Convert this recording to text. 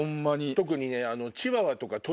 特にね。